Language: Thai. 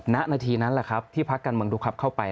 ณนาทีนั้นแหละครับที่พักการเมืองดูครับเข้าไป